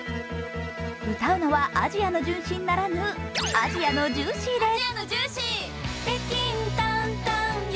歌うのは「アジアの純真」ならぬ「アジアのジューシー」です。